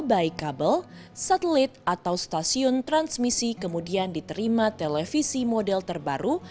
baik kabel satelit atau stasiun transmisi kemudian diterima televisi model terbaru